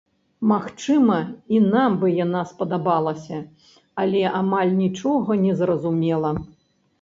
Магчыма, і нам бы яна спадабалася, але амаль нічога не зразумела.